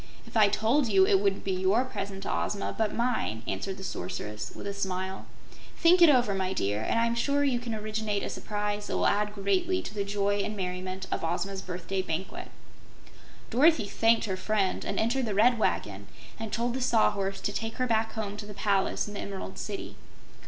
"If I told you, it wouldn't be YOUR present to Ozma, but MINE," answered the Sorceress, with a smile. "Think it over, my dear, and I am sure you can originate a surprise that will add greatly to the joy and merriment of Ozma's birthday banquet." Dorothy thanked her friend and entered the Red Wagon and told the Sawhorse to take her back home to the palace in the Emerald City.